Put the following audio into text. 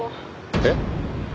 えっ？